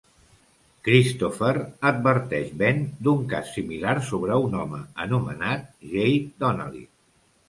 Christopher adverteix Ben d'un cas similar sobre un home anomenat Jake Donnelly.